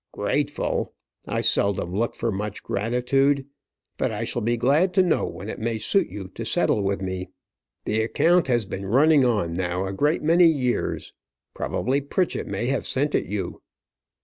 "Grateful! I seldom look for much gratitude. But I shall be glad to know when it may suit you to settle with me. The account has been running on now for a great many years. Probably Pritchett may have sent it you."